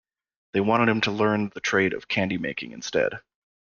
They wanted him to learn the trade of candy making instead.